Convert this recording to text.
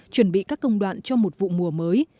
chuẩn bị các công đoạn cho một vụ mùa mới